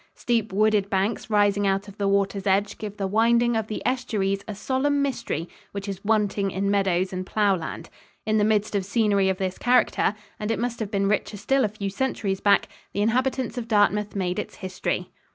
Steep wooded banks rising out of the water's edge give the winding of the estuaries a solemn mystery which is wanting in meadows and plough land. In the midst of scenery of this character and it must have been richer still a few centuries back the inhabitants of Dartmouth made its history."